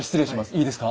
いいですか？